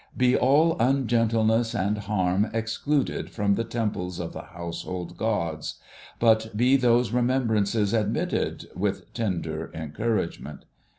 Be all ungentleness and harm excluded from the temples of the Household Gods, but be those remembrances admitted with tender encouragement